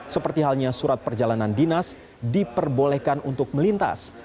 seperti halnya surat perjalanan dinas diperbolehkan untuk melintas